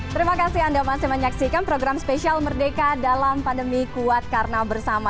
terima kasih anda masih menyaksikan program spesial merdeka dalam pandemi kuat karena bersama